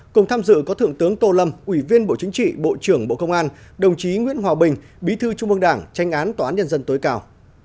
cùng tham dự có thượng tướng tô lâm ủy viên bộ chính trị bộ trưởng bộ công an đồng chí nguyễn hòa bình bí thư trung mương đảng tranh án tòa án nhân dân tối cao